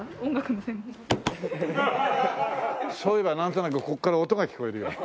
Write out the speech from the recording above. そういえばなんとなくこっから音が聞こえるような。